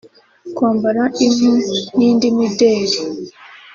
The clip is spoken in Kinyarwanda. kwambara impu n’indi mideli